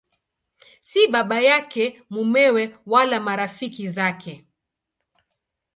Si baba yake, mumewe wala marafiki zake.